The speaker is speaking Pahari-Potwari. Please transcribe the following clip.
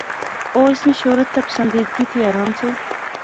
او اس نی شہرت تہ پسندیدگی تھی حیران سے